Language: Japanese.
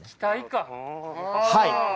はい！